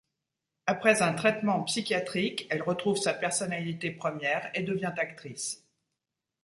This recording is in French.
Après un traitement psychiatrique, elle retrouve sa personnalité première et devient actrice.